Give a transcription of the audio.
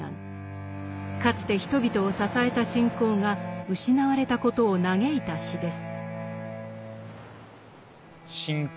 かつて人々を支えた信仰が失われたことを嘆いた詩です。